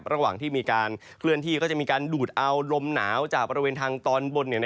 ระหว่างที่มีการเคลื่อนที่ก็จะมีการดูดเอาลมหนาวจากบริเวณทางตอนบน